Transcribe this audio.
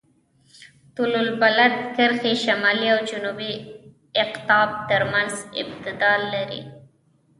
طول البلد کرښې شمالي او جنوبي اقطاب ترمنځ امتداد لري.